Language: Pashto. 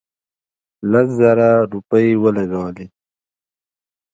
لس زره روپۍ ولګولې.